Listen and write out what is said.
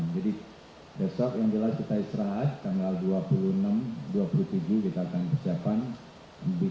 jadi besok yang jelas kita istirahat tanggal dua puluh enam dua puluh tujuh kita akan persiapkan bikin game plan untuk menghadapi jepang